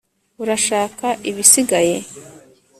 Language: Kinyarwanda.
urashaka ibisigaye